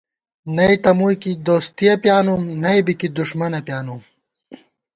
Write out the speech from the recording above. نئ تہ مُوئی کی دوستہ پیانُم ، نئ بی کی دُݭمَنہ پیانُم